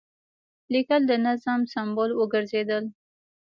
لیکل د نظم سمبول وګرځېدل.